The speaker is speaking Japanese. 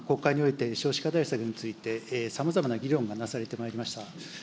この間、国会において、少子化対策についてさまざまな議論がなされてまいりました。